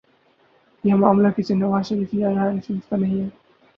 یہ معاملہ کسی نواز شریف یا راحیل شریف کا نہیں ہے۔